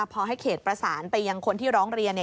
พอให้เขตประสานไปยังคนที่ร้องเรียนเนี่ย